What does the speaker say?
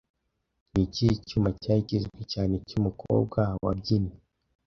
Ni ikihe cyuma cyari kizwi cyane cy'umukobwa wabyinnye